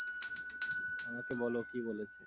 আমাকে বল কী বলেছে।